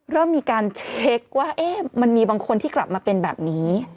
เริ่มมีการเช็คว่ามันมีบางคนที่กลับมาเป็นแบบนี้